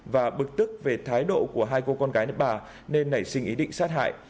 và bực tức về thái độ của hai cô con gái nước bà nên nảy sinh ý định sát hại